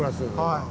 はい。